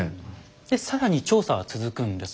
で更に調査は続くんです。